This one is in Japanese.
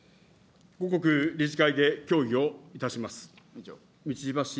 後刻、理事会で協議をいたします。